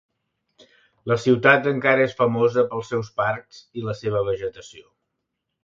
La ciutat encara és famosa pels seus parcs i la seva vegetació.